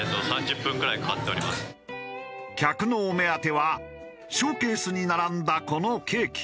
客のお目当てはショーケースに並んだこのケーキ。